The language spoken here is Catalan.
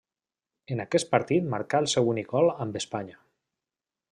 En aquest partit marcà el seu únic gol amb Espanya.